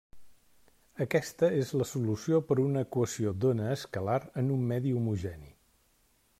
Aquesta és la solució per una equació d'ona escalar en un medi homogeni.